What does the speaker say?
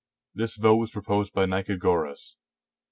This vote was proposed by Nicagoras.